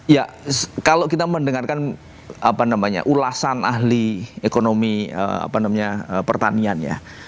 ya kalau kita mendengarkan ulasan ahli ekonomi pertanian ya